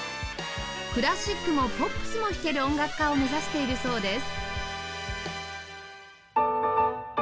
クラシックもポップスも弾ける音楽家を目指しているそうです